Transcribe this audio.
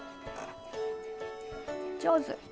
上手！